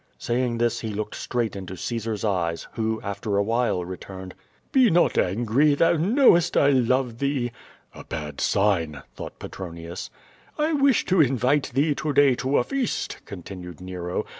Saying this he looked straight into Caesar's eyes, who, after a while, returned: "Be not angry, thou knowest that I love thee." "A bad sign," thought Petronius. "1 wish to invite thee to day to a feast," continued Nero.